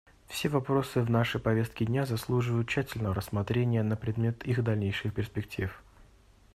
Все вопросы в нашей повестке дня заслуживают тщательного рассмотрения на предмет их дальнейших перспектив.